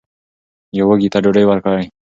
یو وږي ته ډوډۍ ورکړئ.